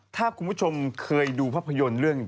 ถ้าคุณผู้ชมเคยดูภาพยนตร์เรื่อง